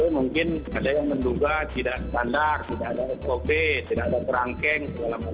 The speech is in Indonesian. mungkin ada yang menduga tidak standar tidak ada sop tidak ada kerangkeng segala macam